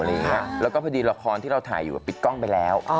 แล้วก็พอดีละครที่เราถ่ายอยู่ปิดกล้องไปแล้ว